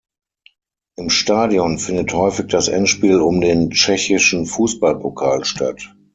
Im Stadion findet häufig das Endspiel um den Tschechischen Fußballpokal statt.